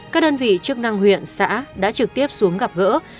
các đơn vị chức năng huyện xã đã trực tiếp xuống gặp gỡ